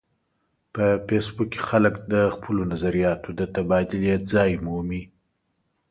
په فېسبوک کې خلک د خپلو نظریاتو د تبادلې ځای مومي